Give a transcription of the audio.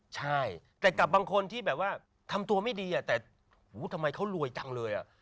ใช่แต่กับบางคนที่แบบว่าทำตัวไม่ดีแต่หูทำไมเขารวยจังเลยอ่ะ